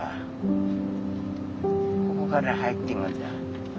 ここから入ってくんだ。